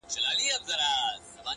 چي د ملا خبري پټي ساتي.